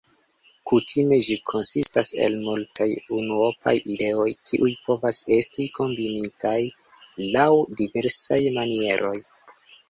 Kutime ĝi konsistas el multaj unuopaj ideoj, kiuj povas esti kombinitaj laŭ diversaj manieroj.